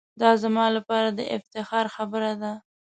دا زما لپاره دافتخار خبره ده.